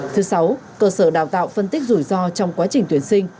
thứ sáu cơ sở đào tạo phân tích rủi ro trong quá trình tuyển sinh